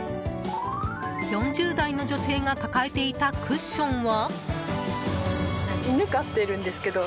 ４０代の女性が抱えていたクッションは？